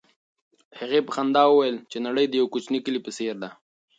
هغې په خندا وویل چې نړۍ د یو کوچني کلي په څېر ده.